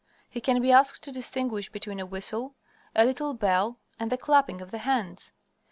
He can be asked to distinguish between a whistle, a little bell, and the clapping of the hands.